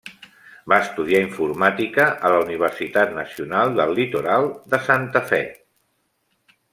Va estudiar Informàtica a la Universitat Nacional del Litoral de Santa Fe.